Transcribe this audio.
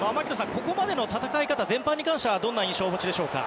ここまでの戦い方全般に関してはどんな印象をお持ちでしょうか。